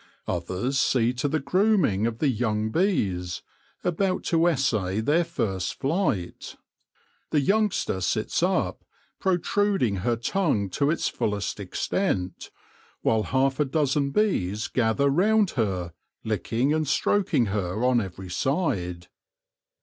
Others see to the grooming of the young bees, about to essay their first flight. The youngster sits up, protruding her tongue to its fullest extent, while half a dozen bees gather round her, licking and stroking her on every side.